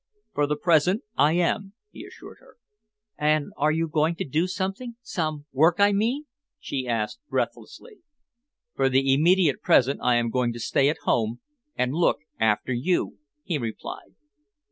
"For the present I am," he assured her. "And are you going to do something some work, I mean?" she asked breathlessly. "For the immediate present I am going to stay at home and look after you," he replied.